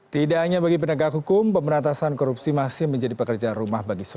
tidak hanya bagi penegak hukum pemberantasan korupsi masih menjadi pekerjaan rumah